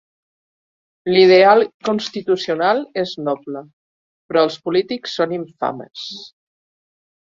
L'ideal constitucional és noble; però els polítics són infames.